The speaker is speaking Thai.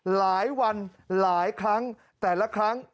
หลายวันหลายครั้งแต่ละครั้ง